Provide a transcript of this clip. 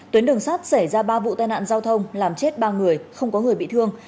tuyến đường sắt xảy ra ba vụ tai nạn giao thông làm chết ba người không có người bị thương